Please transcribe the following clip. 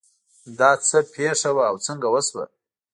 دا څه پېښه وه او څنګه وشوه